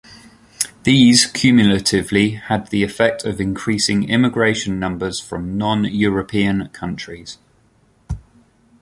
These cumulatively had the effect of increasing immigration numbers from non-European countries.